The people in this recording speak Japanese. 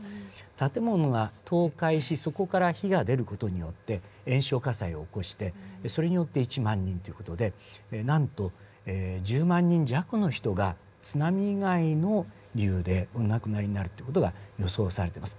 建物が倒壊しそこから火が出る事によって延焼火災を起こしてそれによって１万人という事でなんと１０万人弱の人が津波以外の理由でお亡くなりになるという事が予想されています。